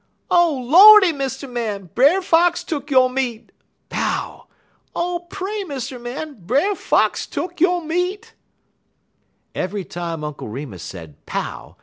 _ 'Oh, Lordy, Mr. Man! Brer Fox tuck yo' meat!' Pow! 'Oh, pray, Mr. Man! Brer Fox tuck yo' meat!'" Every time Uncle Remus said "_Pow!